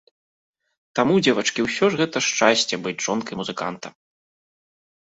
Таму, дзевачкі, усё ж гэта шчасце, быць жонкай музыканта!